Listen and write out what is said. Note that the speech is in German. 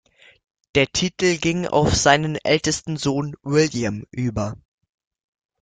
Der Titel ging auf seinen ältesten Sohn William über.